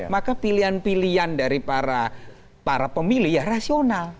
maka pilihan pilihan dari para pemilih ya rasional